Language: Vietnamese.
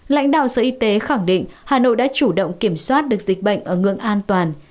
lãnh đạo sở y tế khẳng định hà nội đã chủ động kiểm soát được dịch bệnh ở ngưỡng an toàn